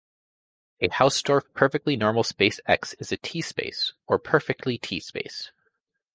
A Hausdorff perfectly normal space "X" is a T space, or perfectly T space.